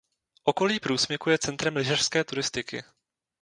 Okolí průsmyku je centrem lyžařské turistiky.